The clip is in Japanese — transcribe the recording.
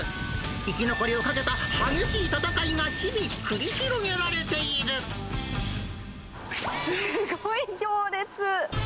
生き残りをかけた激しい戦いが日すごい行列。